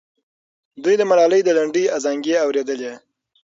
دوی د ملالۍ د لنډۍ ازانګې اورېدلې.